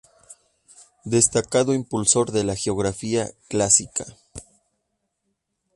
Destacado impulsor de la geografía clásica.